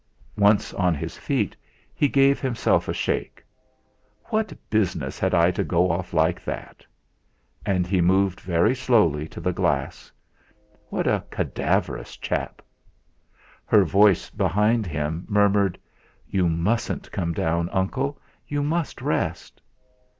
Once on his feet he gave himself a shake. "What business had I to go off like that!" And he moved very slowly to the glass. What a cadaverous chap! Her voice, behind him, murmured: "You mustn't come down, Uncle; you must rest."